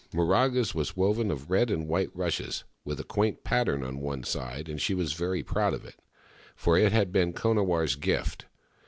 Miraga's was woven of red and white rushes, with a quaint pattern on one side, and she was very proud of it, for it had been Konawarr's gift.